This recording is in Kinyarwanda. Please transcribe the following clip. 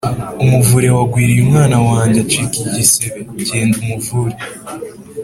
umuvure wagwiriye umwana wange acika igisebe; genda umuvure